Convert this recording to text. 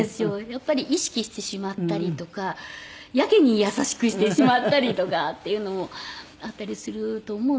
やっぱり意識してしまったりとかやけに優しくしてしまったりとかっていうのもあったりすると思うんですが。